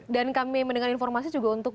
dan kami mendengar informasi juga untuk